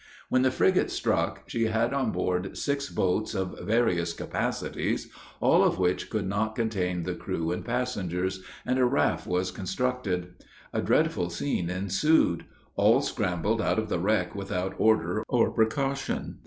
When the frigate struck, she had on board six boats, of various capacities, all of which could not contain the crew and passengers; and a raft was constructed. A dreadful scene ensued. All scrambled out of the wreck without order or precaution.